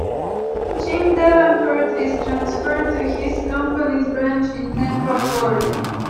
Jim Davenport is transferred to his company's branch in Tampa, Florida.